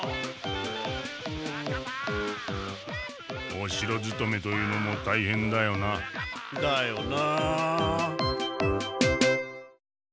お城勤めというのもたいへんだよな。だよな。